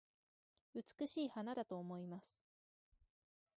美しい花だと思います